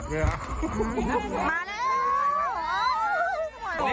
ใกล้ไหนอีกแล้ว